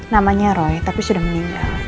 namanya roy tapi sudah meninggal